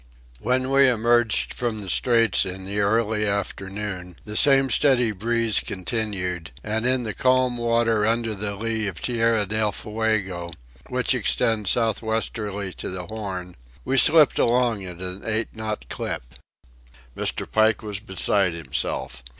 When we emerged from the straits in the early afternoon the same steady breeze continued, and in the calm water under the lee of Tierra del Fuego, which extends south westerly to the Horn, we slipped along at an eight knot clip. Mr. Pike was beside himself.